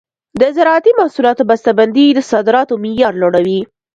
د زراعتي محصولاتو بسته بندي د صادراتو معیار لوړوي.